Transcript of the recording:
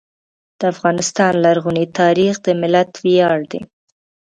د افغانستان لرغونی تاریخ د ملت ویاړ دی.